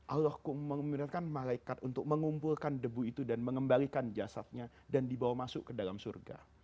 allahumkan malaikat untuk mengumpulkan debu itu dan mengembalikan jasadnya dan dibawa masuk ke dalam surga